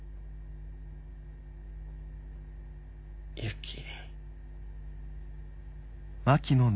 ユキ。